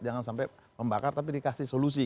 jangan sampai membakar tapi dikasih solusi